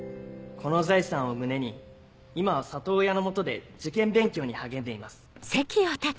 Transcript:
この財産を胸に今は里親の元で受験勉強に励んでいます」。